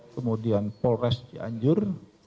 kemudian polres cianjur